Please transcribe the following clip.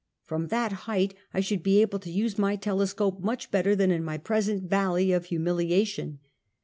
From that height I should be able to use my telescope much better than in my present val ley of humiliation.